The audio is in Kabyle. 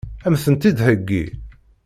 Ad m-tent-id-theggi?